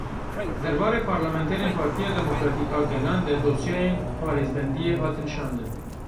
Derbarê parlamanterên Partiya Demokratîk a Gelan de dosyayên parêzbendiyê hatin şandin.